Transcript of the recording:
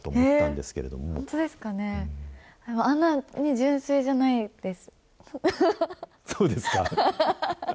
でもあんなに純粋じゃないです。